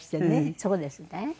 そうですね。